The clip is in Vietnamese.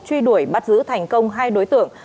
truy đuổi bắt giữ thành công hai đối tượng